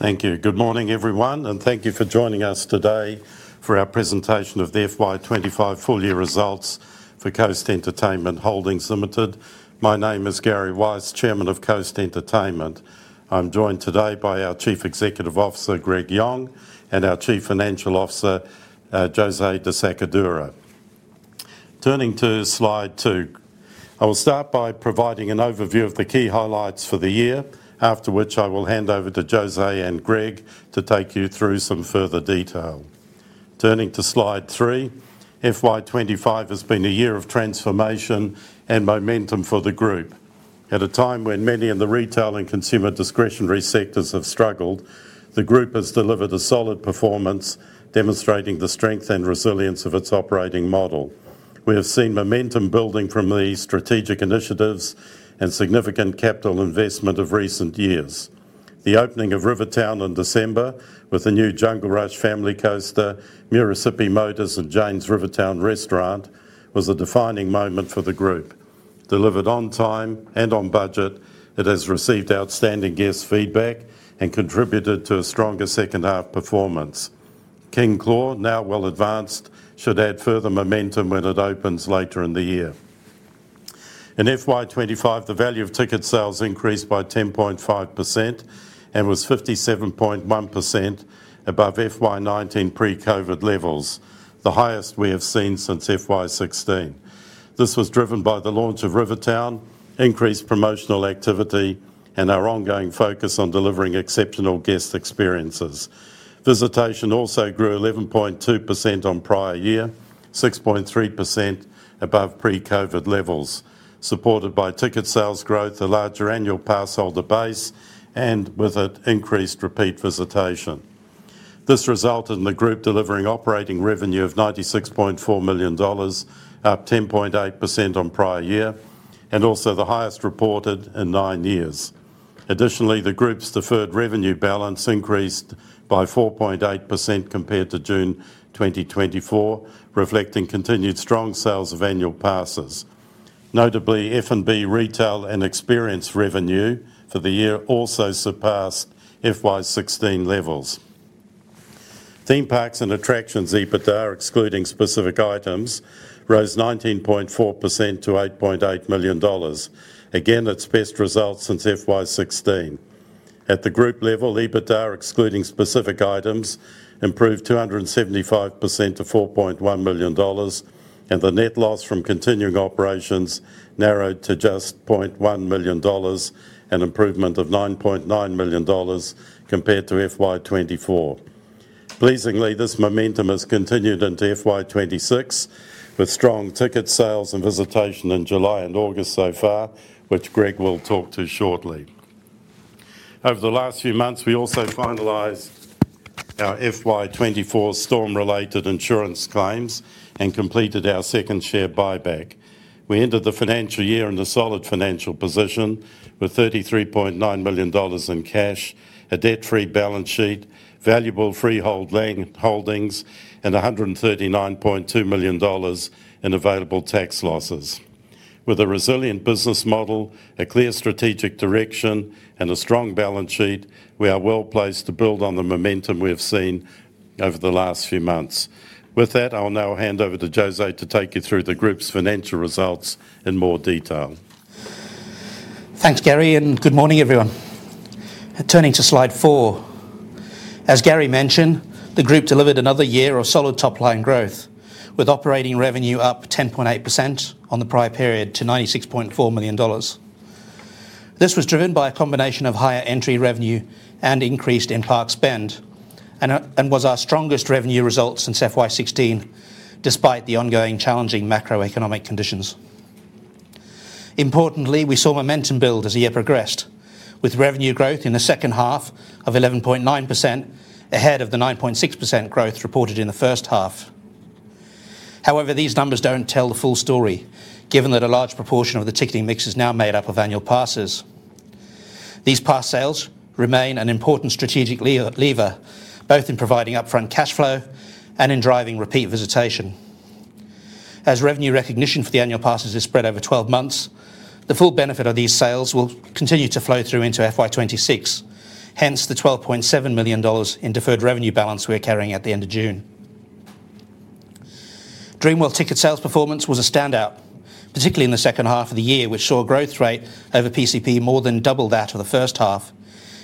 Thank you. Good morning, everyone, and thank you for joining us today for our presentation of the FY 2025 full-year results for Coast Entertainment Holdings Limited. My name is Gary Weiss, Chairman of Coast Entertainment. I'm joined today by our Chief Executive Officer, Greg Yong, and our Chief Financial Officer, José De Sacadura. Turning to slide two, I will start by providing an overview of the key highlights for the year, after which I will hand over to José and Greg to take you through some further detail. Turning to slide three, FY 2025 has been a year of transformation and momentum for the group. At a time when many in the retail and consumer discretionary sectors have struggled, the group has delivered a solid performance, demonstrating the strength and resilience of its operating model. We have seen momentum building from the strategic initiatives and significant capital investment of recent years. The opening of Rivertown in December, with the new Jungle Rush family coaster, Murrissippi Motors, and Jane’s Rivertown Restaurant, was a defining moment for the group. Delivered on time and on budget, it has received outstanding guest feedback and contributed to a stronger second-half performance. King Claw, now well-advanced, should add further momentum when it opens later in the year. In FY 2025, the value of ticket sales increased by 10.5% and was 57.1% above FY 2019 pre-COVID levels, the highest we have seen since FY 2016. This was driven by the launch of Rivertown, increased promotional activity, and our ongoing focus on delivering exceptional guest experiences. Visitation also grew 11.2% on prior year, 6.3% above pre-COVID levels, supported by ticket sales growth, a larger annual passholder base, and with it increased repeat visitation. This resulted in the group delivering operating revenue of $96.4 million, up 10.8% on prior year, and also the highest reported in nine years. Additionally, the group's deferred revenue balance increased by 4.8% compared to June 2024, reflecting continued strong sales of annual passes. Notably, F&B retail and experience revenue for the year also surpassed FY 2016 levels. Theme parks and attractions, EBITDA excluding specific items, rose 19.4% to $8.8 million, again its best result since FY 2016. At the group level, EBITDA excluding specific items improved 275% to $4.1 million, and the net loss from continuing operations narrowed to just $0.1 million, an improvement of $9.9 million compared to FY 2024. Pleasingly, this momentum has continued into FY 2026, with strong ticket sales and visitation in July and August so far, which Greg will talk to shortly. Over the last few months, we also finalized our FY 2024 storm-related insurance claims and completed our second share buyback. We entered the financial year in a solid financial position, with $33.9 million in cash, a debt-free balance sheet, valuable freehold holdings, and $139.2 million in available tax losses. With a resilient business model, a clear strategic direction, and a strong balance sheet, we are well-placed to build on the momentum we have seen over the last few months. With that, I will now hand over to José to take you through the group's financial results in more detail. Thanks, Gary, and good morning, everyone. Turning to slide four, as Gary mentioned, the group delivered another year of solid top-line growth, with operating revenue up 10.8% on the prior period to $96.4 million. This was driven by a combination of higher entry revenue and increased in-park spend, and was our strongest revenue result since FY 2016, despite the ongoing challenging macro-economic conditions. Importantly, we saw momentum build as the year progressed, with revenue growth in the second half of 11.9% ahead of the 9.6% growth reported in the first half. However, these numbers don't tell the full story, given that a large proportion of the ticketing mix is now made up of annual passes. These pass sales remain an important strategic lever, both in providing upfront cash flow and in driving repeat visitation. As revenue recognition for the annual passes is spread over 12 months, the full benefit of these sales will continue to flow through into FY 2026, hence the $12.7 million in deferred revenue balance we are carrying at the end of June. Dreamworld ticket sales performance was a standout, particularly in the second half of the year, which saw a growth rate over PCP more than double that of the first half,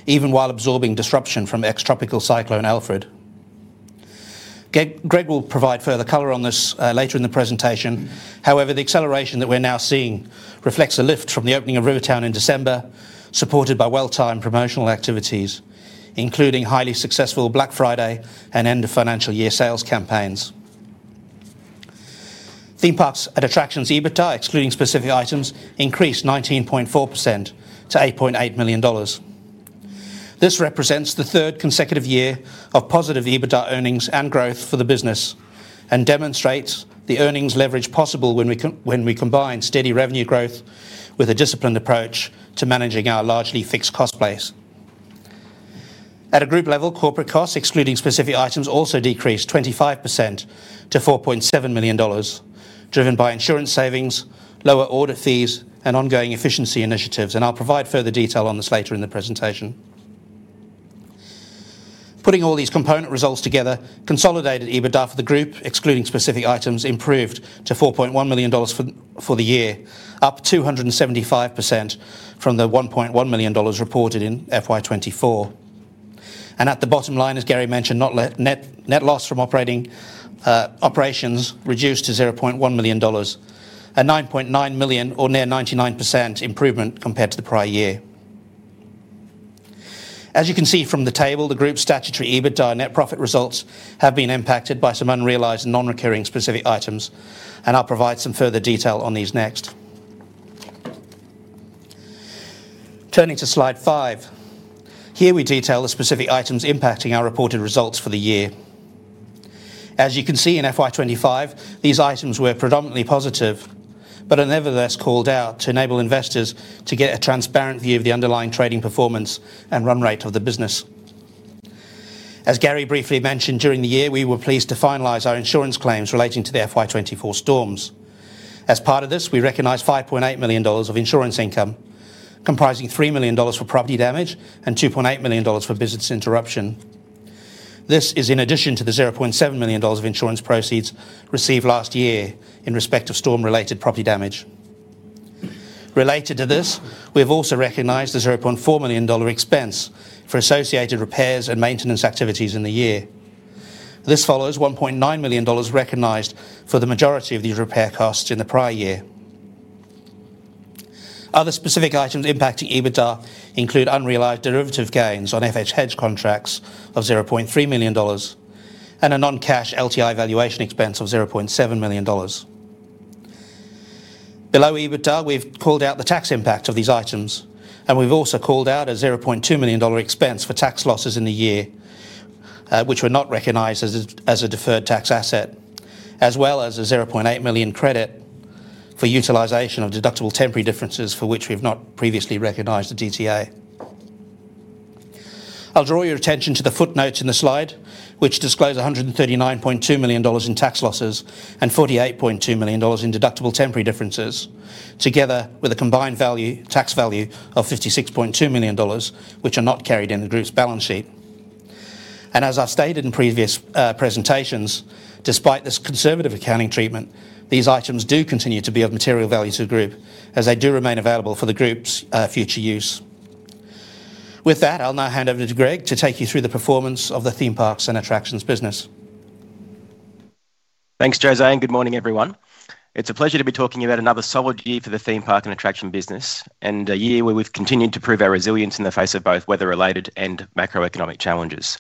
even while absorbing disruption from ex-Tropical Cyclone Alfred. Greg will provide further color on this later in the presentation. However, the acceleration that we're now seeing reflects a lift from the opening of Rivertown in December, supported by well-timed promotional activities, including highly successful Black Friday and end-of-financial-year sales campaigns. Theme parks and attractions' EBITDA, excluding specific items, increased 19.4% to $8.8 million. This represents the third consecutive year of positive EBITDA earnings and growth for the business and demonstrates the earnings leverage possible when we combine steady revenue growth with a disciplined approach to managing our largely fixed cost base. At a group level, corporate costs, excluding specific items, also decreased 25% to $4.7 million, driven by insurance savings, lower audit fees, and ongoing efficiency initiatives, and I'll provide further detail on this later in the presentation. Putting all these component results together, consolidated EBITDA for the group, excluding specific items, improved to $4.1 million for the year, up 275% from the $1.1 million reported in FY 2024. At the bottom line, as Gary mentioned, net loss from operations reduced to $0.1 million, a $9.9 million or near 99% improvement compared to the prior year. As you can see from the table, the group's statutory EBITDA net profit results have been impacted by some unrealized non-recurring specific items, and I'll provide some further detail on these next. Turning to slide five, here we detail the specific items impacting our reported results for the year. As you can see in FY 2025, these items were predominantly positive, but are nevertheless called out to enable investors to get a transparent view of the underlying trading performance and run rate of the business. As Gary briefly mentioned, during the year, we were pleased to finalize our insurance claims relating to the FY 2024 storms. As part of this, we recognized $5.8 million of insurance income, comprising $3 million for property damage and $2.8 million for business interruption. This is in addition to the $0.7 million of insurance proceeds received last year in respect of storm-related property damage. Related to this, we have also recognized the $0.4 million expense for associated repairs and maintenance activities in the year. This follows $1.9 million recognized for the majority of these repair costs in the prior year. Other specific items impacting EBITDA include unrealized derivative gains on FX hedge contracts of $0.3 million and a non-cash LTI valuation expense of $0.7 million. Below EBITDA, we've called out the tax impact of these items, and we've also called out a $0.2 million expense for tax losses in the year, which were not recognized as a deferred tax asset, as well as a $0.8 million credit for utilization of deductible temporary differences for which we have not previously recognized the DTA. I'll draw your attention to the footnotes in the slide, which disclose $139.2 million in tax losses and $48.2 million in deductible temporary differences, together with a combined tax value of $56.2 million, which are not carried in the group's balance sheet. As I stated in previous presentations, despite this conservative accounting treatment, these items do continue to be of material value to the group, as they do remain available for the group's future use. With that, I'll now hand over to Greg to take you through the performance of the theme parks and attractions business. Thanks, José, and good morning, everyone. It's a pleasure to be talking about another solid year for the theme park and attraction business, and a year where we've continued to prove our resilience in the face of both weather-related and macro-economic challenges.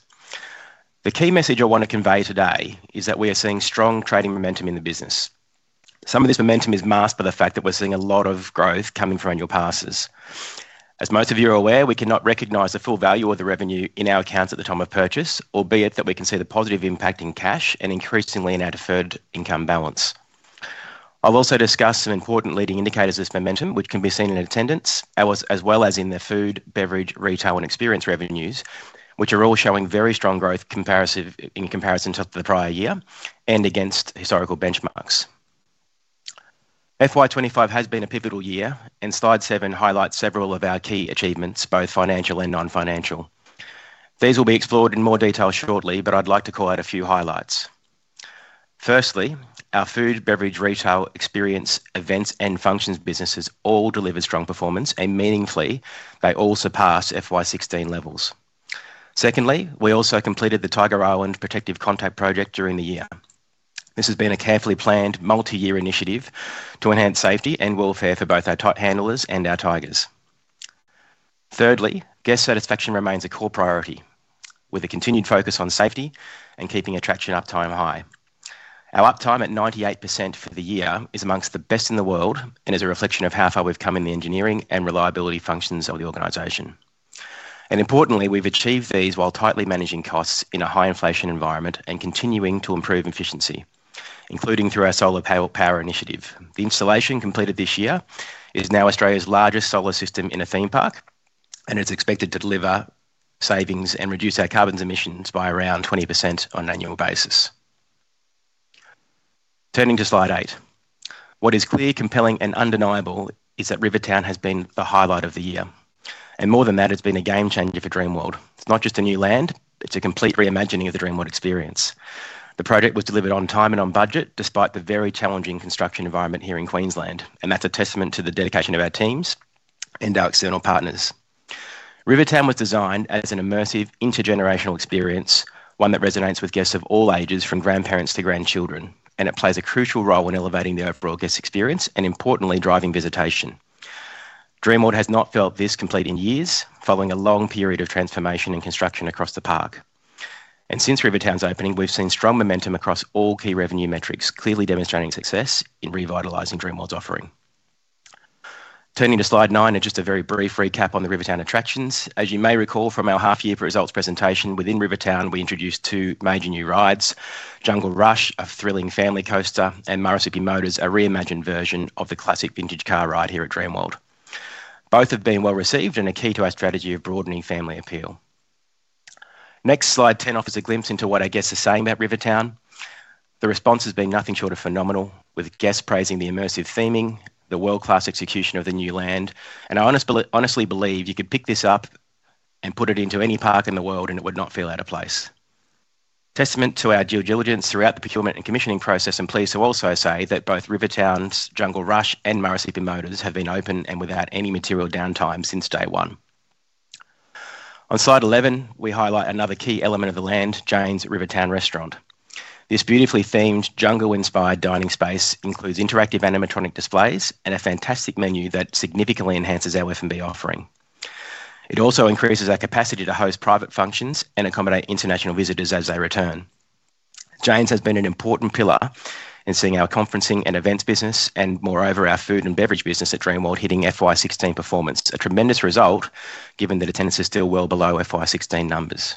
The key message I want to convey today is that we are seeing strong trading momentum in the business. Some of this momentum is masked by the fact that we're seeing a lot of growth coming from annual passes. As most of you are aware, we cannot recognize the full value of the revenue in our accounts at the time of purchase, albeit that we can see the positive impact in cash and increasingly in our deferred income balance. I'll also discuss some important leading indicators of this momentum, which can be seen in attendance, as well as in the food, beverage, retail, and experience revenues, which are all showing very strong growth in comparison to the prior year and against historical benchmarks. FY 2025 has been a pivotal year, and slide seven highlights several of our key achievements, both financial and non-financial. These will be explored in more detail shortly, but I'd like to call out a few highlights. Firstly, our food, beverage, retail, experience, events, and functions businesses all delivered strong performance, and meaningfully, they all surpassed FY 2016 levels. Secondly, we also completed the Tiger Island protective contact project during the year. This has been a carefully planned multi-year initiative to enhance safety and welfare for both our cat handlers and our tigers. Thirdly, guest satisfaction remains a core priority, with a continued focus on safety and keeping attraction uptime high. Our uptime at 98% for the year is amongst the best in the world and is a reflection of how far we've come in the engineering and reliability functions of the organization. Importantly, we've achieved these while tightly managing costs in a high-inflation environment and continuing to improve efficiency, including through our solar power initiative. The installation completed this year is now Australia's largest solar system in a theme park, and it's expected to deliver savings and reduce our carbon emissions by around 20% on an annual basis. Turning to slide eight, what is clear, compelling, and undeniable is that Rivertown has been the highlight of the year. More than that, it's been a game-changer for Dreamworld. Not just a new land, it's a complete reimagining of the Dreamworld experience. The project was delivered on time and on budget, despite the very challenging construction environment here in Queensland, and that's a testament to the dedication of our teams and our external partners. Rivertown was designed as an immersive intergenerational experience, one that resonates with guests of all ages, from grandparents to grandchildren, and it plays a crucial role in elevating the overall guest experience and, importantly, driving visitation. Dreamworld has not felt this complete in years, following a long period of transformation and construction across the park. Since Rivertown's opening, we've seen strong momentum across all key revenue metrics, clearly demonstrating success in revitalizing Dreamworld's offering. Turning to slide nine and just a very brief recap on the Rivertown attractions. As you may recall from our half-year results presentation, within Rivertown, we introduced two major new rides: Jungle Rush, a thrilling family coaster, and Murrissippi Motors, a reimagined version of the classic vintage car ride here at Dreamworld. Both have been well-received and are key to our strategy of broadening family appeal. Next, slide 10 offers a glimpse into what our guests are saying about Rivertown. The response has been nothing short of phenomenal, with guests praising the immersive theming, the world-class execution of the new land, and I honestly believe you could pick this up and put it into any park in the world, and it would not feel out of place. Testament to our due diligence throughout the procurement and commissioning process, I'm pleased to also say that both Rivertown's Jungle Rush and Murrissippi Motors have been open and without any material downtime since day one. On slide 11, we highlight another key element of the land, Jane’s Rivertown Restaurant. This beautifully themed jungle-inspired dining space includes interactive animatronic displays and a fantastic menu that significantly enhances our F&B offering. It also increases our capacity to host private functions and accommodate international visitors as they return. Jane's has been an important pillar in seeing our conferencing and events business, and moreover, our food and beverage business at Dreamworld hitting FY 2016 performance, a tremendous result given that attendance is still well below FY 2016 numbers.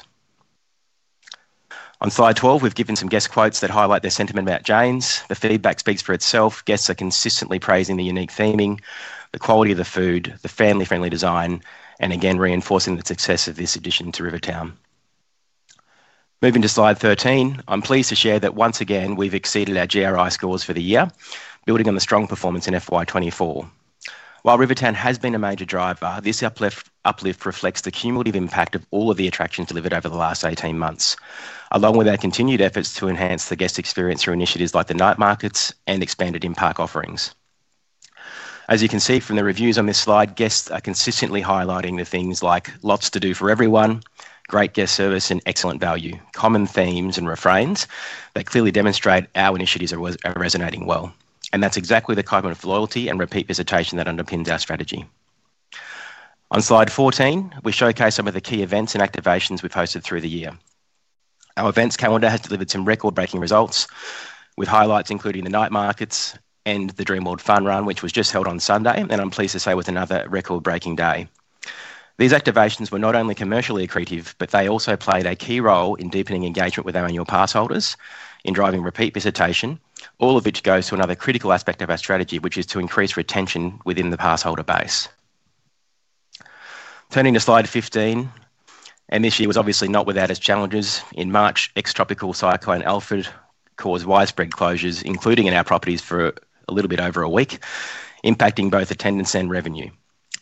On slide 12, we've given some guest quotes that highlight their sentiment about Jane's. The feedback speaks for itself. Guests are consistently praising the unique theming, the quality of the food, the family-friendly design, and again reinforcing the success of this addition to Rivertown. Moving to slide 13, I'm pleased to share that once again, we've exceeded our GRI scores for the year, building on the strong performance in FY 2024. While Rivertown has been a major driver, this uplift reflects the cumulative impact of all of the attractions delivered over the last 18 months, along with our continued efforts to enhance the guest experience through initiatives like the night markets and expanded impact offerings. As you can see from the reviews on this slide, guests are consistently highlighting things like lots to do for everyone, great guest service, and excellent value, common themes and refrains that clearly demonstrate our initiatives are resonating well. That is exactly the kind of loyalty and repeat visitation that underpins our strategy. On slide 14, we showcase some of the key events and activations we've hosted through the year. Our events calendar has delivered some record-breaking results with highlights including the night markets and the Dreamworld Fun Run, which was just held on Sunday, and I'm pleased to say with another record-breaking day. These activations were not only commercially accretive, but they also played a key role in deepening engagement with our annual passholders, in driving repeat visitation, all of which goes to another critical aspect of our strategy, which is to increase retention within the passholder base. Turning to slide 15, this year was obviously not without its challenges. In March, ex-Tropical Cyclone Alfred caused widespread closures, including in our properties for a little bit over a week, impacting both attendance and revenue.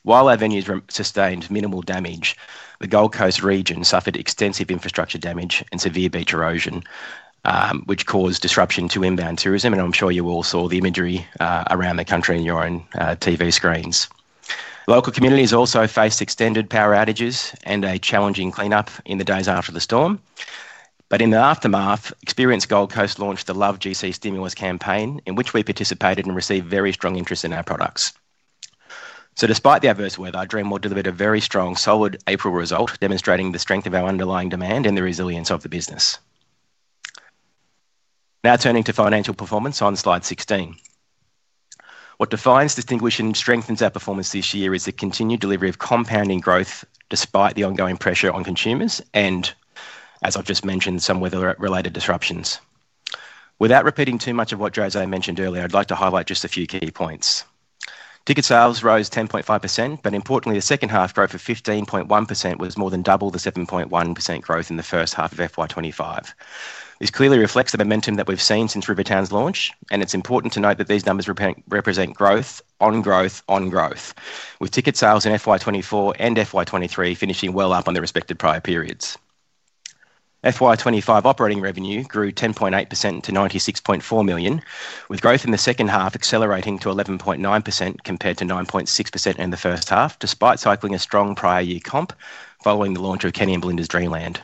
While our venues sustained minimal damage, the Gold Coast region suffered extensive infrastructure damage and severe beach erosion, which caused disruption to inbound tourism, and I'm sure you all saw the imagery around the country on your own TV screens. Local communities also faced extended power outages and a challenging cleanup in the days after the storm. In the aftermath, Experience Gold Coast launched the Love GC [three-phased] campaign, in which we participated and received very strong interest in our products. Despite the adverse weather, Dreamworld delivered a very strong, solid April result, demonstrating the strength of our underlying demand and the resilience of the business. Now turning to financial performance on slide 16. What defines, distinguishes, and strengthens our performance this year is the continued delivery of compounding growth despite the ongoing pressure on consumers and, as I've just mentioned, some weather-related disruptions. Without repeating too much of what José mentioned earlier, I'd like to highlight just a few key points. Ticket sales rose 10.5%, but importantly, the second half growth of 15.1% was more than double the 7.1% growth in the first half of FY 2025. This clearly reflects the momentum that we've seen since Rivertown's launch, and it's important to note that these numbers represent growth on growth on growth, with ticket sales in FY 2024 and FY 2023 finishing well up on the respective prior periods. FY 2025 operating revenue grew 10.8% to $96.4 million, with growth in the second half accelerating to 11.9% compared to 9.6% in the first half, despite cycling a strong prior year comp following the launch of Kenny and Belinda's Dreamland.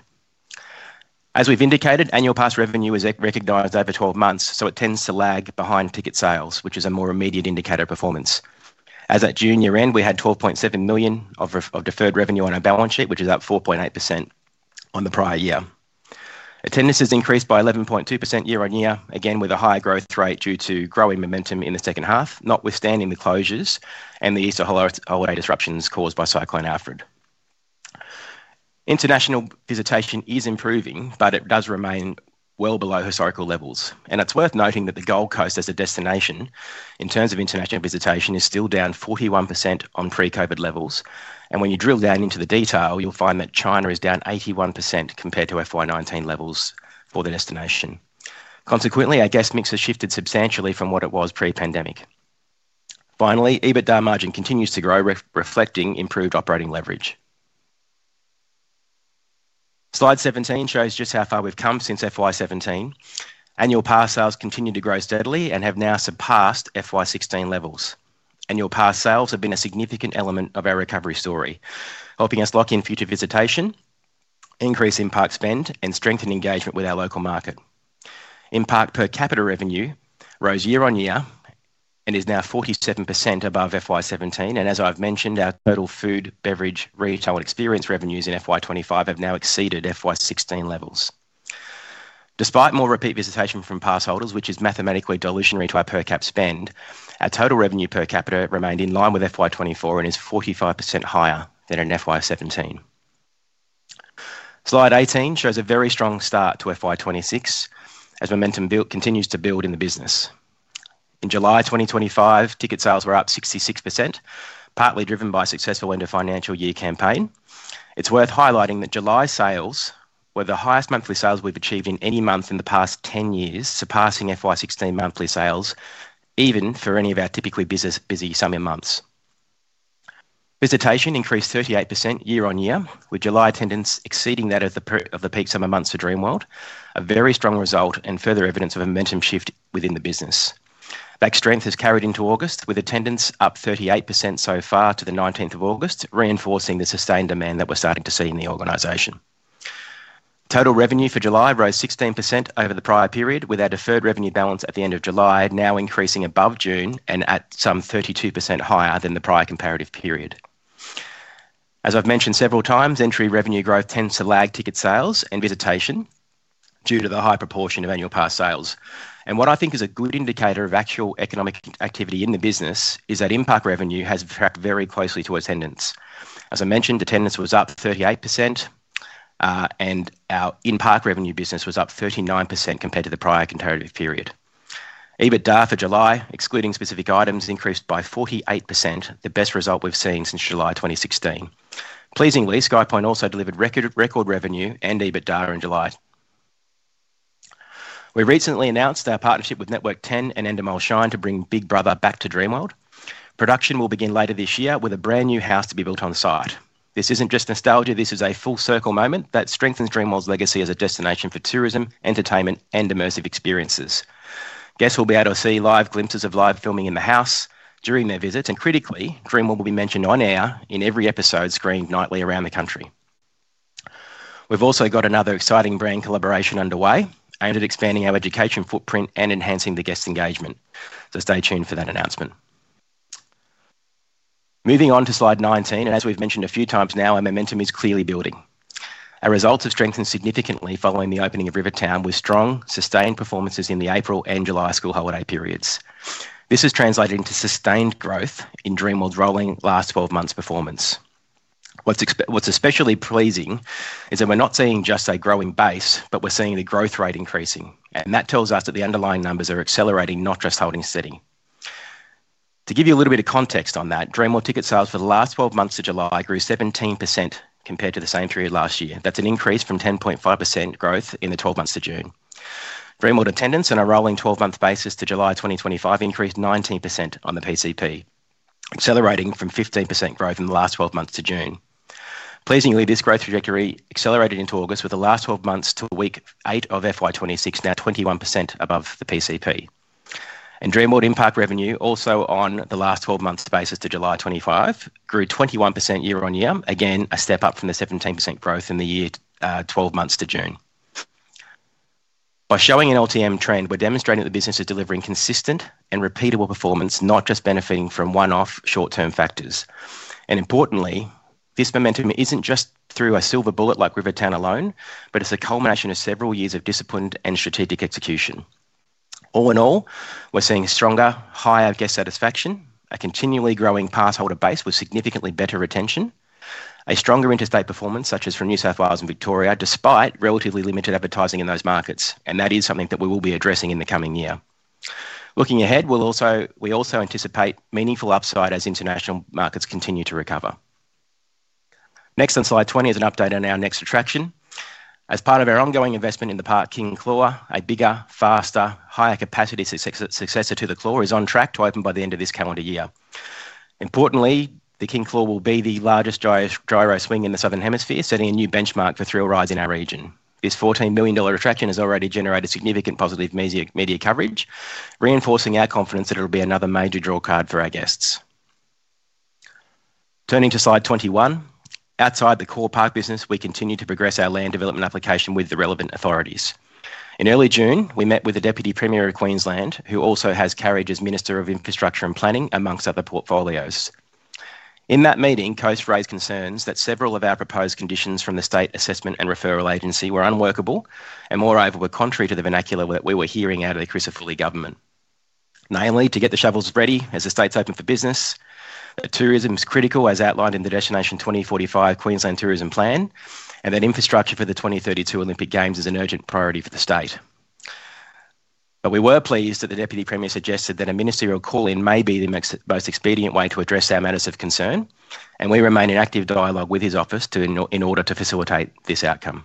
As we've indicated, annual pass revenue is recognized over 12 months, so it tends to lag behind ticket sales, which is a more immediate indicator of performance. As at June year-end, we had $12.7 million of deferred revenue on our balance sheet, which is up 4.8% on the prior year. Attendance has increased by 11.2% year on year, again with a higher growth rate due to growing momentum in the second half, notwithstanding the closures and the Easter holiday disruptions caused by Cyclone Alfred. International visitation is improving, but it does remain well below historical levels. It is worth noting that the Gold Coast as a destination, in terms of international visitation, is still down 41% on pre-COVID levels. When you drill down into the detail, you'll find that China is down 81% compared to FY 2019 levels for the destination. Consequently, our guest mix has shifted substantially from what it was pre-pandemic. Finally, EBITDA margin continues to grow, reflecting improved operating leverage. Slide 17 shows just how far we've come since FY 2017. Annual pass sales continue to grow steadily and have now surpassed FY 2016 levels. Annual pass sales have been a significant element of our recovery story, helping us lock in future visitation, increase in-park spend, and strengthen engagement with our local market. Impact per capita revenue rose year on year and is now 47% above FY 2017. Our total food, beverage, retail, and experience revenues in FY 2025 have now exceeded FY 2016 levels. Despite more repeat visitation from pass holders, which is mathematically dilutionary to our per cap spend, our total revenue per capita remained in line with FY 2024 and is 45% higher than in FY 2017. Slide 18 shows a very strong start to FY 2026, as momentum continues to build in the business. In July 2025, ticket sales were up 66%, partly driven by a successful end-of-financial-year campaign. It's worth highlighting that July sales were the highest monthly sales we've achieved in any month in the past 10 years, surpassing FY 2016 monthly sales, even for any of our typically busy summer months. Visitation increased 38% year on year, with July attendance exceeding that of the peak summer months to Dreamworld, a very strong result and further evidence of a momentum shift within the business. This strength has carried into August, with attendance up 38% so far to the 19th of August, reinforcing the sustained demand that we're starting to see in the organization. Total revenue for July rose 16% over the prior period, with our deferred revenue balance at the end of July now increasing above June and at some 32% higher than the prior comparative period. Entry revenue growth tends to lag ticket sales and visitation due to the high proportion of annual pass sales. A good indicator of actual economic activity in the business is that in-park revenue has tracked very closely to attendance. Attendance was up 38%, and our in-park revenue business was up 39% compared to the prior comparative period. EBITDA for July, excluding specific items, increased by 48%, the best result we've seen since July 2016. SkyPoint also delivered record revenue and EBITDA in July. We recently announced our partnership with Network 10 and Endemol Shine to bring Big Brother back to Dreamworld. Production will begin later this year with a brand new house to be built on site. This isn't just nostalgia; this is a full-circle moment that strengthens Dreamworld's legacy as a destination for tourism, entertainment, and immersive experiences. Guests will be able to see live glimpses of live filming in the house during their visits, and critically, Dreamworld will be mentioned on air in every episode screened nightly around the country. We've also got another exciting brand collaboration underway, aimed at expanding our education footprint and enhancing the guest engagement. Stay tuned for that announcement. Moving on to slide 19, as we've mentioned a few times now, our momentum is clearly building. Our results have strengthened significantly following the opening of Rivertown, with strong, sustained performances in the April and July school holiday periods. This has translated into sustained growth in Dreamworld's rolling last 12 months' performance. What's especially pleasing is that we're not seeing just a growing base, but we're seeing the growth rate increasing. That tells us that the underlying numbers are accelerating, not just holding steady. To give you a little bit of context on that, Dreamworld ticket sales for the last 12 months to July grew 17% compared to the same period last year. That's an increase from 10.5% growth in the 12 months to June. Dreamworld attendance on a rolling 12-month basis to July 2025 increased 19% on the PCP, accelerating from 15% growth in the last 12 months to June. Pleasingly, this growth trajectory accelerated into August, with the last 12 months to week eight of FY 2026 now 21% above the PCP. Dreamworld impact revenue, also on the last 12 months basis to July 2025, grew 21% year on year, again a step up from the 17% growth in the year 12 months to June. By showing an LTM trend, we're demonstrating that the business is delivering consistent and repeatable performance, not just benefiting from one-off short-term factors. Importantly, this momentum isn't just through a silver bullet like Rivertown alone, but it's a culmination of several years of disciplined and strategic execution. All in all, we're seeing stronger, higher guest satisfaction, a continually growing passholder base with significantly better retention, a stronger interstate performance such as for New South Wales and Victoria, despite relatively limited advertising in those markets. That is something that we will be addressing in the coming year. Looking ahead, we also anticipate meaningful upside as international markets continue to recover. Next on slide 20 is an update on our next attraction. As part of our ongoing investment in the park, King Claw, a bigger, faster, higher capacity successor to the Claw, is on track to open by the end of this calendar year. Importantly, the King Claw will be the largest gyro swing in the Southern Hemisphere, setting a new benchmark for thrill rides in our region. This $14 million attraction has already generated significant positive media coverage, reinforcing our confidence that it'll be another major draw card for our guests. Turning to slide 21, outside the core park business, we continue to progress our land development application with the relevant authorities. In early June, we met with the Deputy Premier of Queensland, who also has carriage as Minister of Infrastructure and Planning, amongst other portfolios. In that meeting, Coast raised concerns that several of our proposed conditions from the State Assessment and Referral Agency were unworkable, and moreover were contrary to the vernacular that we were hearing out of the [Christopher Lee] government. Namely, to get the shovels ready as the state's open for business, that tourism's critical as outlined in the Destination 2045 Queensland Tourism Plan, and that infrastructure for the 2032 Olympic Games is an urgent priority for the state. We were pleased that the Deputy Premier suggested that a ministerial call-in may be the most expedient way to address our matters of concern, and we remain in active dialogue with his office in order to facilitate this outcome.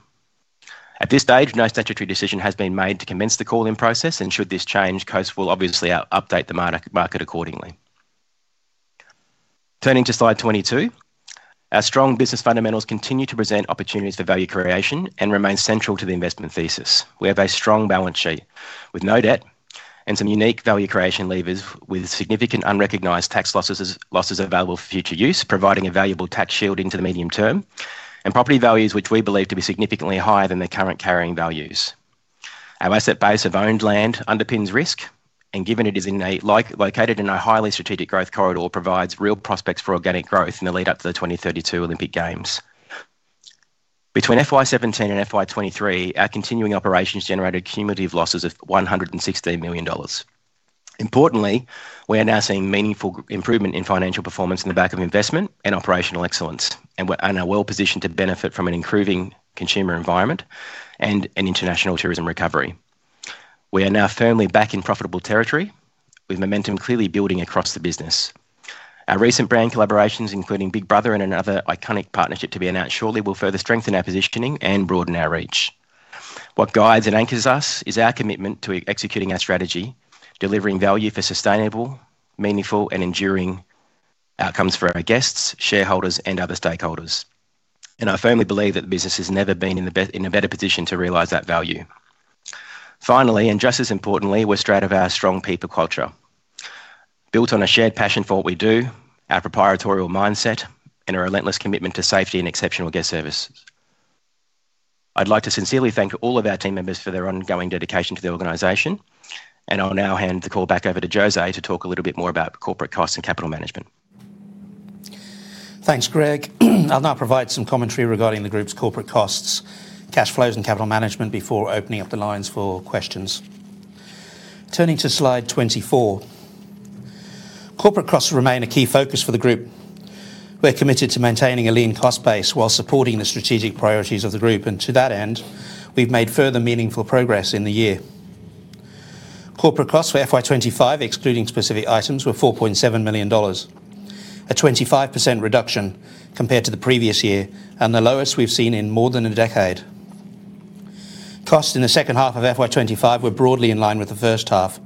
At this stage, no statutory decision has been made to commence the call-in process, and should this change, Coast will obviously update the market accordingly. Turning to slide 22, our strong business fundamentals continue to present opportunities for value creation and remain central to the investment thesis. We have a strong balance sheet with no debt and some unique value creation levers with significant unrecognized tax losses available for future use, providing a valuable tax shielding to the medium term, and property values which we believe to be significantly higher than the current carrying values. Our asset base of owned land underpins risk, and given it is located in a highly strategic growth corridor, provides real prospects for organic growth in the lead-up to the 2032 Olympic Games. Between FY 2017 and FY 2023, our continuing operations generated cumulative losses of $116 million. Importantly, we are now seeing meaningful improvement in financial performance in the back of investment and operational excellence, and are well-positioned to benefit from an improving consumer environment and an international tourism recovery. We are now firmly back in profitable territory, with momentum clearly building across the business. Our recent brand collaborations, including Big Brother and another iconic partnership to be announced shortly, will further strengthen our positioning and broaden our reach. What guides and anchors us is our commitment to executing our strategy, delivering value for sustainable, meaningful, and enduring outcomes for our guests, shareholders, and other stakeholders. I firmly believe that the business has never been in a better position to realize that value. Finally, and just as importantly, we're straight of our strong people culture, built on a shared passion for what we do, our proprietorial mindset, and a relentless commitment to safety and exceptional guest service. I'd like to sincerely thank all of our team members for their ongoing dedication to the organization, and I'll now hand the call back over to José to talk a little bit more about corporate costs and capital management. Thanks, Greg. I'll now provide some commentary regarding the group's corporate costs, cash flows, and capital management before opening up the lines for questions. Turning to slide 24, corporate costs remain a key focus for the group. We're committed to maintaining a lean cost base while supporting the strategic priorities of the group, and to that end, we've made further meaningful progress in the year. Corporate costs for FY 2025, excluding specific items, were $4.7 million, a 25% reduction compared to the previous year and the lowest we've seen in more than a decade. Costs in the second half of FY 2025 were broadly in line with the first half,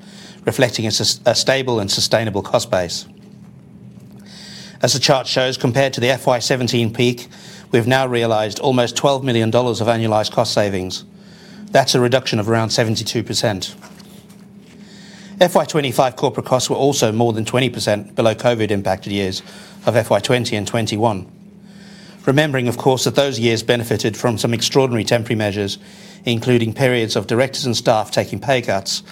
reflecting a stable and sustainable cost base. As the chart shows, compared to the FY 2017 peak, we've now realized almost $12 million of annualized cost savings. That's a reduction of around 72%. FY 2025 corporate costs were also more than 20% below COVID-impacted years of FY 2020 and 2021, remembering, of course, that those years benefited from some extraordinary temporary measures, including periods of directors and staff taking pay cuts,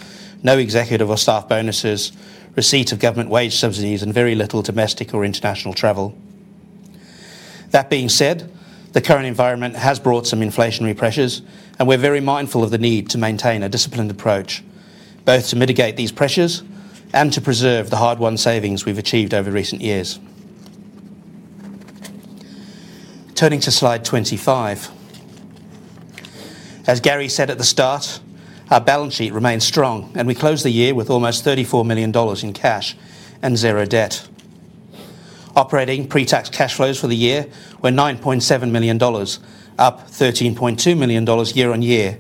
no executive or staff bonuses, receipt of government wage subsidies, and very little domestic or international travel. That being said, the current environment has brought some inflationary pressures, and we're very mindful of the need to maintain a disciplined approach, both to mitigate these pressures and to preserve the hard-won savings we've achieved over recent years. Turning to slide 25, as Gary said at the start, our balance sheet remains strong, and we close the year with almost $34 million in cash and zero debt. Operating pre-tax cash flows for the year were $9.7 million, up $13.2 million year on year,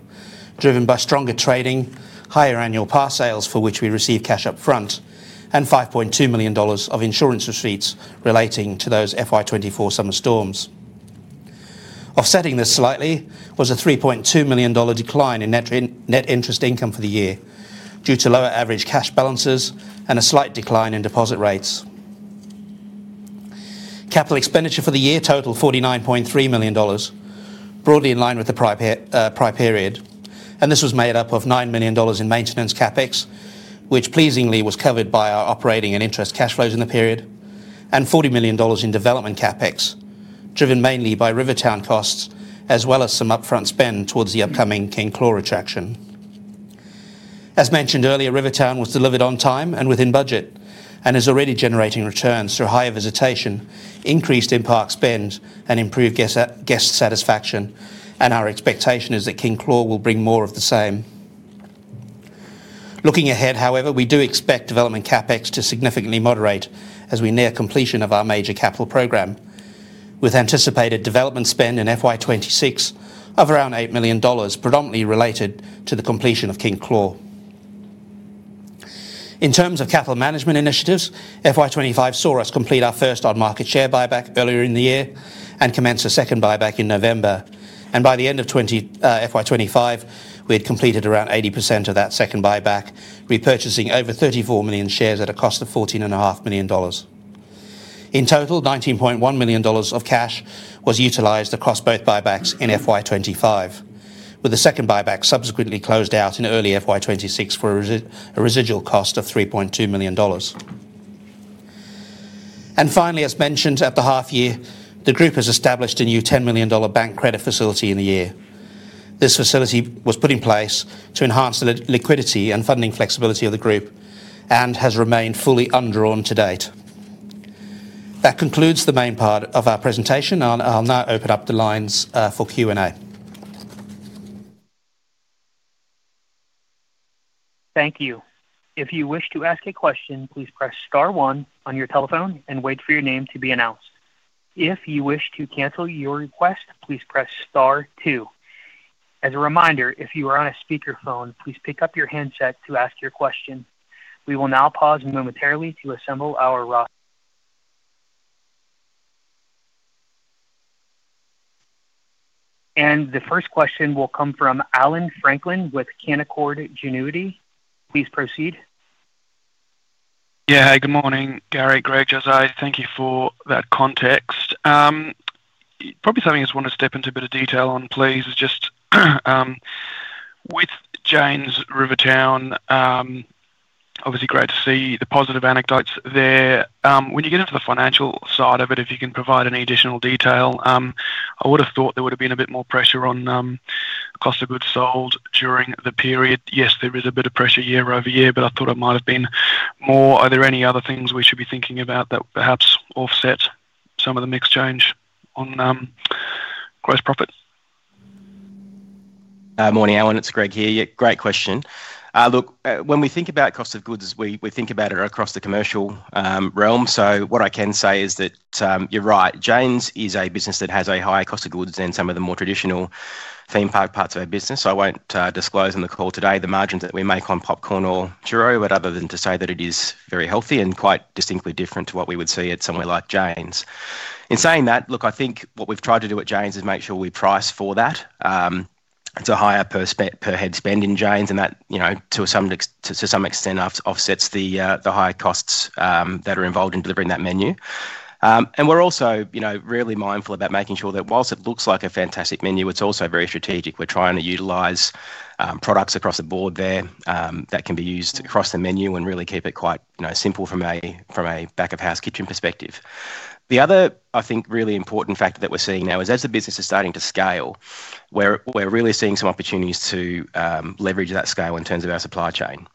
driven by stronger trading, higher annual pass sales for which we receive cash upfront, and $5.2 million of insurance receipts relating to those FY 2024 summer storms. Offsetting this slightly was a $3.2 million decline in net interest income for the year due to lower average cash balances and a slight decline in deposit rates. Capital expenditure for the year totaled $49.3 million, broadly in line with the prior period, and this was made up of $9 million in maintenance CapEx, which pleasingly was covered by our operating and interest cash flows in the period, and $40 million in development CapEx, driven mainly by Rivertown costs, as well as some upfront spend towards the upcoming King Claw attraction. As mentioned earlier, Rivertown was delivered on time and within budget and is already generating returns through higher visitation, increased in-park spend, and improved guest satisfaction, and our expectation is that King Claw will bring more of the same. Looking ahead, however, we do expect development CapEx to significantly moderate as we near completion of our major capital program, with anticipated development spend in FY 2026 of around $8 million, predominantly related to the completion of King Claw. In terms of capital management initiatives, FY 2025 saw us complete our first on-market share buyback earlier in the year and commence a second buyback in November. By the end of FY 2025, we had completed around 80% of that second buyback, repurchasing over 34 million shares at a cost of $14.5 million. In total, $19.1 million of cash was utilized across both buybacks in FY 2025, with the second buyback subsequently closed out in early FY 2026 for a residual cost of $3.2 million. Finally, as mentioned at the half-year, the group has established a new $10 million bank credit facility in the year. This facility was put in place to enhance the liquidity and funding flexibility of the group and has remained fully undrawn to date. That concludes the main part of our presentation, and I'll now open up the lines for Q&A. Thank you. If you wish to ask a question, please press star one on your telephone and wait for your name to be announced. If you wish to cancel your request, please press star two. As a reminder, if you are on a speakerphone, please pick up your handset to ask your question. We will now pause momentarily to assemble our roster, and the first question will come from Allan Franklin with Canaccord Genuity. Please proceed. Yeah, hey, good morning, Gary, Greg, José, thank you for that context. Probably something I just want to step into a bit of detail on, please, is just with Jane’s Rivertown, obviously great to see the positive anecdotes there. When you get into the financial side of it, if you can provide any additional detail, I would have thought there would have been a bit more pressure on the cost of goods sold during the period. Yes, there is a bit of pressure year-over-year, but I thought it might have been more. Are there any other things we should be thinking about that perhaps offset some of the mixed change on gross profit? Morning, Allan. It's Greg here. Great question. Look, when we think about cost of goods, we think about it across the commercial realm. What I can say is that you're right. Jane’s is a business that has a higher cost of goods than some of the more traditional theme park parts of our business. I won't disclose in the call today the margins that we make on popcorn or churro, other than to say that it is very healthy and quite distinctly different to what we would see at somewhere like Jane’s. In saying that, what we've tried to do at Jane’s is make sure we price for that. It's a higher per head spend in Jane’s, and that, you know, to some extent offsets the higher costs that are involved in delivering that menu. We're also really mindful about making sure that whilst it looks like a fantastic menu, it's also very strategic. We're trying to utilize products across the board there that can be used across the menu and really keep it quite simple from a back-of-house kitchen perspective. The other, I think, really important fact that we're seeing now is as the business is starting to scale, we're really seeing some opportunities to leverage that scale in terms of our supply chain.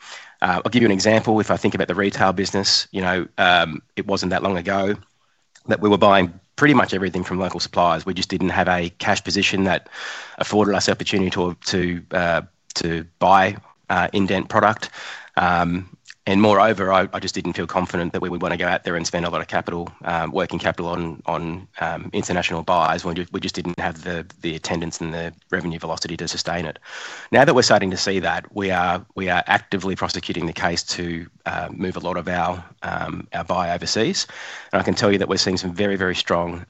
I'll give you an example. If I think about the retail business, it wasn't that long ago that we were buying pretty much everything from local suppliers. We just didn't have a cash position that afforded us the opportunity to buy indent product. Moreover, I just didn't feel confident that we would want to go out there and spend a lot of capital, working capital on international buys. We just didn't have the attendance and the revenue velocity to sustain it. Now that we're starting to see that, we are actively prosecuting the case to move a lot of our buy overseas. I can tell you that we're seeing some very, very strong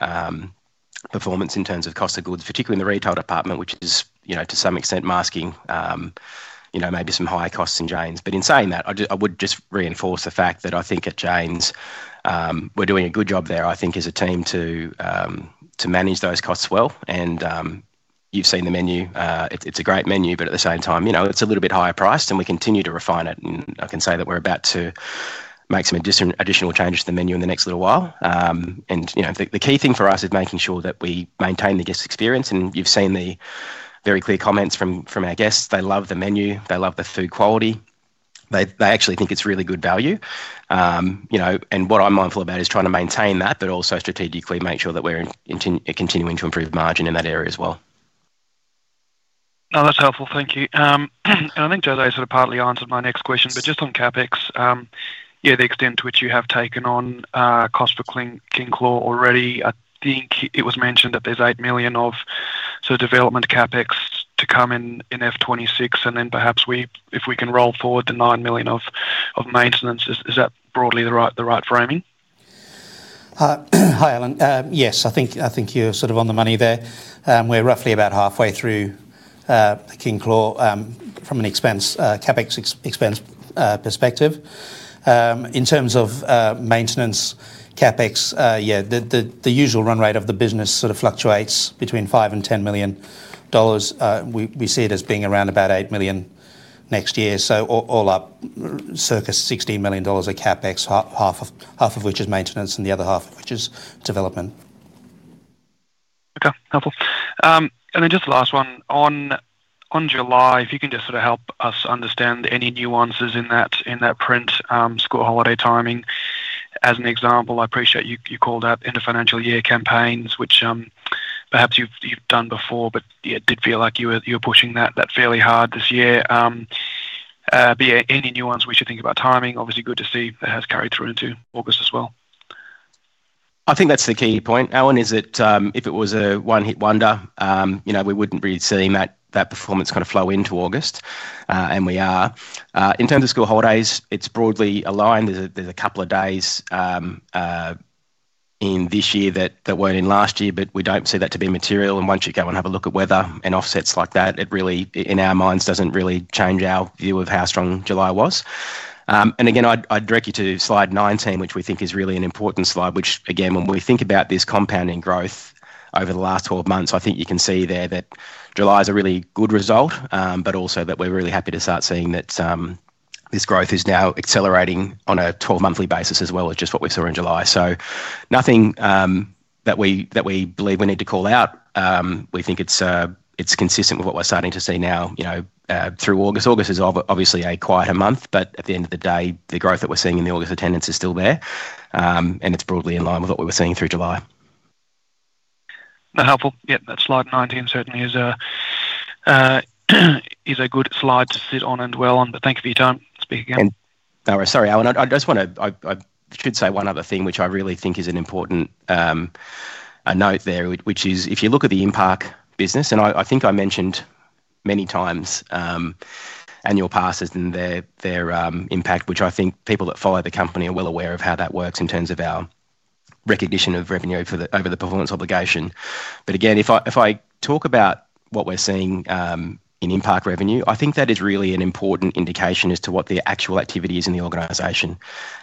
performance in terms of cost of goods, particularly in the retail department, which is, you know, to some extent masking maybe some higher costs in Jane’s. In saying that, I would just reinforce the fact that I think at Jane’s, we're doing a good job there, I think, as a team to manage those costs well. You've seen the menu. It's a great menu, but at the same time, you know, it's a little bit higher priced, and we continue to refine it. I can say that we're about to make some additional changes to the menu in the next little while. The key thing for us is making sure that we maintain the guest experience. You've seen the very clear comments from our guests. They love the menu. They love the food quality. They actually think it's really good value. What I'm mindful about is trying to maintain that, but also strategically make sure that we're continuing to improve margin in that area as well. No, that's helpful. Thank you. I think José, sort of partly answered my next question, but just on CapEx, you know, the extent to which you have taken on cost for King Claw already. I think it was mentioned that there's $8 million of sort of development CapEx to come in F 2026, and then perhaps if we can roll forward the $9 million of maintenance, is that broadly the right framing? Hi, Allan. Yes, I think you're sort of on the money there. We're roughly about halfway through the King Claw from an expense, CapEx expense perspective. In terms of maintenance CapEx, the usual run rate of the business sort of fluctuates between $5 million and $10 million. We see it as being around about $8 million next year. All up, circa $16 million of CapEx, half of which is maintenance and the other half of which is development. Okay, helpful. Just the last one. On July, if you can just sort of help us understand any nuances in that print school holiday timing. As an example, I appreciate you called out end-of-financial-year campaigns, which perhaps you've done before, but yeah, it did feel like you were pushing that fairly hard this year. Be any nuance we should think about timing? Obviously, good to see it has carried through into August as well. I think that's the key point, Allan, is that if it was a one-hit wonder, you know, we wouldn't really see that performance kind of flow into August, and we are. In terms of school holidays, it's broadly aligned. There's a couple of days in this year that weren't in last year, but we don't see that to be material. Once you go and have a look at weather and offsets like that, it really, in our minds, doesn't really change our view of how strong July was. I'd direct you to slide 19, which we think is really an important slide, which, when we think about this compounding growth over the last 12 months, I think you can see there that July is a really good result, but also that we're really happy to start seeing that this growth is now accelerating on a 12-monthly basis as well as just what we saw in July. Nothing that we believe we need to call out. We think it's consistent with what we're starting to see now, you know, through August. August is obviously a quieter month, but at the end of the day, the growth that we're seeing in the August attendance is still there, and it's broadly in line with what we were seeing through July. That's helpful. Yeah, that slide 19 certainly is a good slide to sit on and dwell on, but thank you for your time. Speak again. Sorry, Allan, I just want to, I should say one other thing, which I really think is an important note there, which is if you look at the impact business, and I think I mentioned many times annual passes and their impact, which I think people that follow the company are well aware of how that works in terms of our recognition of revenue over the performance obligation. If I talk about what we're seeing in impact revenue, I think that is really an important indication as to what the actual activity is in the organization.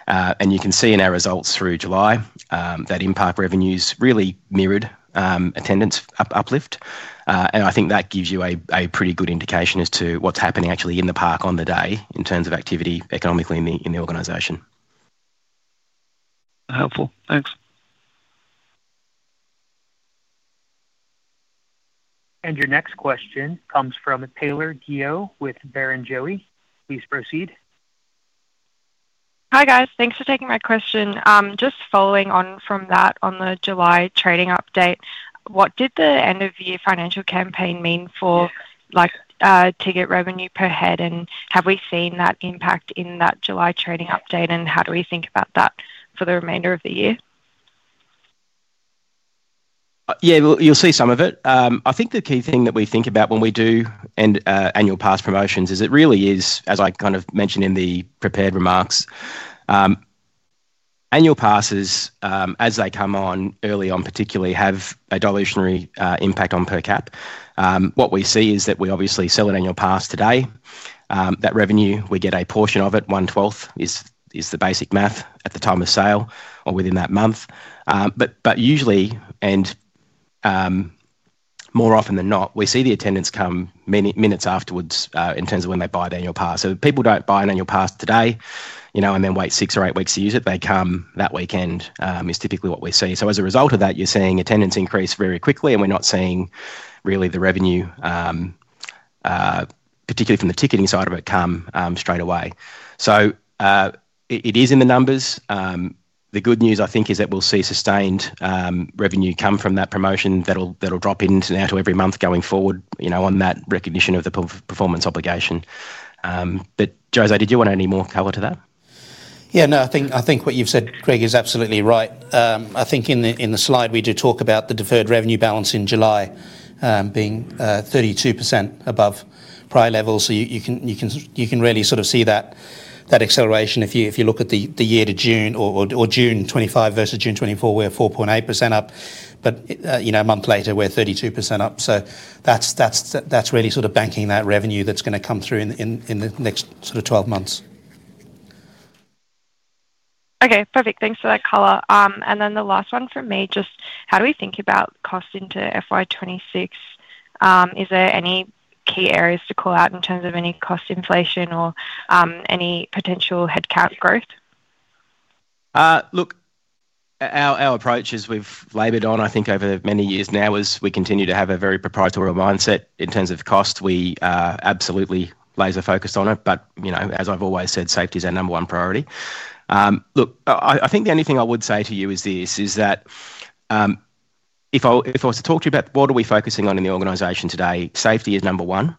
You can see in our results through July that impact revenues really mirrored attendance uplift. I think that gives you a pretty good indication as to what's happening actually in the park on the day in terms of activity economically in the organization. Helpful. Thanks. Your next question comes from Taylor Guyot with Barrenjoey. Please proceed. Hi guys, thanks for taking my question. Just following on from that on the July trading update, what did the end-of-year financial campaign mean for like ticket revenue per head? Have we seen that impact in that July trading update? How do we think about that for the remainder of the year? Yeah, you'll see some of it. I think the key thing that we think about when we do annual pass promotions is it really is, as I kind of mentioned in the prepared remarks, annual passes, as they come on early on particularly, have a dilutionary impact on per cap. What we see is that we obviously sell an annual pass today. That revenue, we get a portion of it, 1/12 is the basic math at the time of sale or within that month. Usually, and more often than not, we see the attendance come minutes afterwards in terms of when they buy an annual pass. If people don't buy an annual pass today, you know, and then wait six or eight weeks to use it, they come that weekend is typically what we see. As a result of that, you're seeing attendance increase very quickly, and we're not seeing really the revenue, particularly from the ticketing side of it, come straight away. It is in the numbers. The good news, I think, is that we'll see sustained revenue come from that promotion that'll drop into now to every month going forward, you know, on that recognition of the performance obligation. José, did you want any more cover to that? Yeah, no, I think what you've said, Greg, is absolutely right. I think in the slide, we do talk about the deferred revenue balance in July being 32% above prior levels. You can really sort of see that acceleration if you look at the year to June or June 2025 versus June 2024, we're 4.8% up. You know, a month later, we're 32% up. That's really sort of banking that revenue that's going to come through in the next sort of 12 months. Okay, perfect. Thanks for that color. The last one for me, just how do we think about cost into FY 2026? Is there any key areas to call out in terms of any cost inflation or any potential headcount growth? Look, our approach is we've labored on, I think, over many years now as we continue to have a very proprietary mindset in terms of cost. We are absolutely laser-focused on it. As I've always said, safety is our number one priority. I think the only thing I would say to you is this, is that if I was to talk to you about what are we focusing on in the organization today, safety is number one.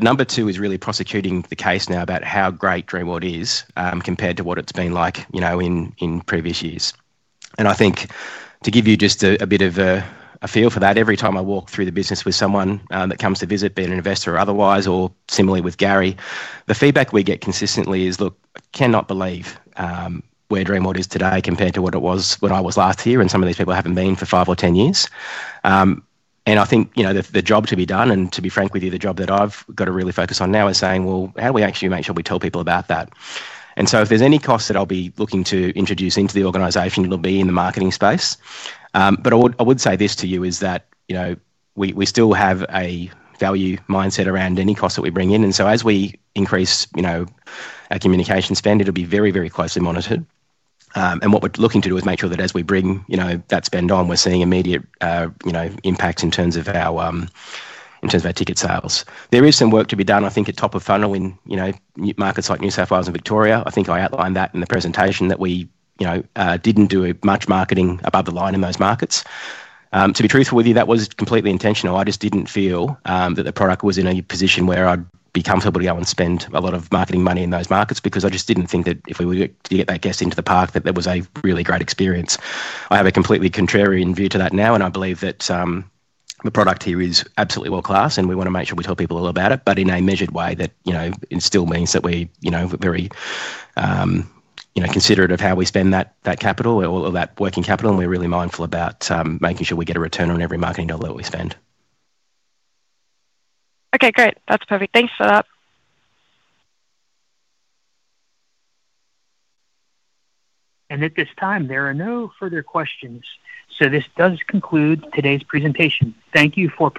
Number two is really prosecuting the case now about how great Dreamworld is compared to what it's been like in previous years. I think to give you just a bit of a feel for that, every time I walk through the business with someone that comes to visit, being an investor or otherwise, or similarly with Gary, the feedback we get consistently is, look, cannot believe where Dreamworld is today compared to what it was when I was last here, and some of these people haven't been for five or 10 years. I think the job to be done, and to be frank with you, the job that I've got to really focus on now is saying, how do we actually make sure we tell people about that? If there's any cost that I'll be looking to introduce into the organization, it'll be in the marketing space. I would say this to you is that we still have a value mindset around any cost that we bring in. As we increase our communication spend, it'll be very, very closely monitored. What we're looking to do is make sure that as we bring that spend on, we're seeing immediate impacts in terms of our ticket sales. There is some work to be done, I think, at top of funnel in markets like New South Wales and Victoria. I think I outlined that in the presentation that we didn't do much marketing above the line in those markets. To be truthful with you, that was completely intentional. I just didn't feel that the product was in a position where I'd be comfortable to go and spend a lot of marketing money in those markets because I just didn't think that if we were to get that guest into the park, that there was a really great experience. I have a completely contrarian view to that now, and I believe that the product here is absolutely world-class, and we want to make sure we tell people all about it, but in a measured way that still means that we are very considerate of how we spend that capital or that working capital, and we're really mindful about making sure we get a return on every marketing dollar that we spend. Okay, great. That's perfect. Thanks for that. At this time, there are no further questions. This does conclude today's presentation. Thank you.